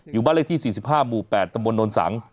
อยู่บ้านฤทธิ์สี่สิบห้าหมู่แปดตะบนนณษัง